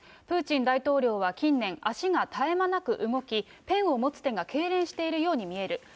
プーチン大統領は近年、足が絶え間なく動き、ペンを持つ手がけいれんしているように見える。